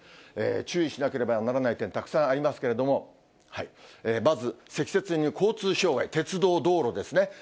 注意しなければならない点、たくさんありますけれども、まず積雪による交通障害、鉄道、道路ですね。